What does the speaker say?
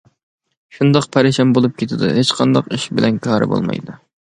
شۇنداق پەرىشان بولۇپ كېتىدۇ، ھېچقانداق ئىش بىلەن كارى بولمايدۇ.